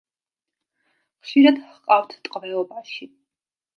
ხშირად ჰყავთ ტყვეობაში.